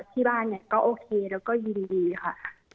ที่บ้านเนี่ยก็โอเคแล้วก็ยินดีค่ะ